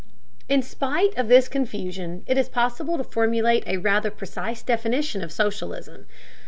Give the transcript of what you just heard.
In spite of this confusion it is possible to formulate a rather precise definition of socialism.